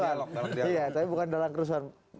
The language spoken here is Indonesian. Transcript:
iya tapi bukan dalam kerusuhan